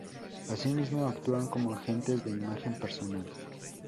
Así mismo, actúan como agentes de imagen personal.